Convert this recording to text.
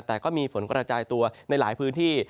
แต่ก็มีฝนกระจายตัวในหลายพื้นที่